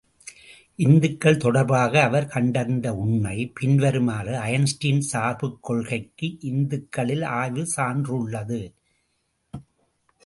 இத்துகள் தொடர்பாக அவர் கண்டறிந்த உண்மை பின்வருமாறு ஐன்ஸ்டீன் சார்புக் கொள்கைக்கு இத்துகளில் ஆய்வுச் சான்று உள்ளது.